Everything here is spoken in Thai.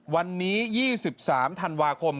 วันนี้๒๓ธันวาคม